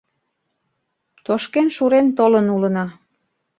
Тошкен-шурен толын улына;